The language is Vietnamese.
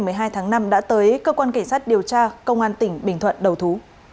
ngày một mươi hai tháng năm đã tới cơ quan cảnh sát điều tra công an tỉnh bình thuận đầu thú